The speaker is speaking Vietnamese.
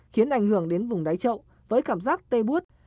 khiến ảnh hưởng đến vùng đáy trậu với cảm giác tê buốt